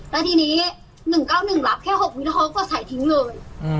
แล้วทีนี้๑๙๑รับแค่๖วิดีโฮ้ก็ส่ายทิ้งเลย